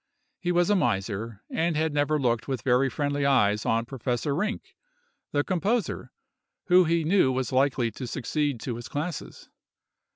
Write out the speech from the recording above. He was a miser, and had never looked with very friendly eyes on Professor Rinck, the composer, who he knew was likely to succeed to his classes.